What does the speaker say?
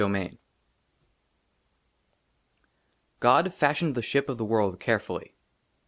^^ VI GOD FASHIONED THE SHIP OF THE WORLD CARE FULLY.